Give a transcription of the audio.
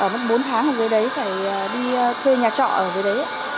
mất bốn tháng ở dưới đấy phải đi thuê nhà trọ ở dưới đấy